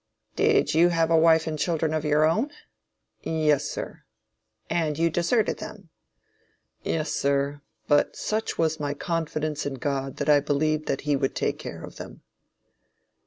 Did you have a wife and children of your own? Yes sir. And you deserted them? Yes sir, but such was my confidence in God that I believed he would take care of them.